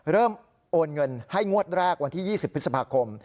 โอนเงินให้งวดแรกวันที่๒๐พฤษภาคม